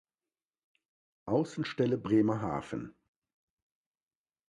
Außenstelle Bremerhaven.